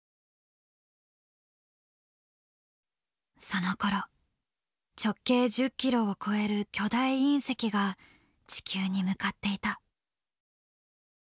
そのころ直径１０ｋｍを超える巨大隕石が地球に向かっていた。